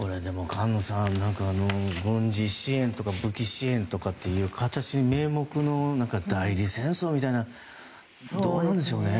菅野さん、軍事支援とか武器支援とかっていう名目の代理戦争みたいなどうなんでしょうね。